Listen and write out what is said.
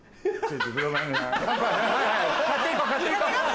はいはい買っていこう買っていこう。